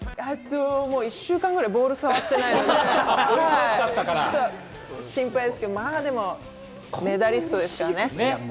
１週間くらいボールを触っていないので心配ですけれども、まぁ、メダリストですからね。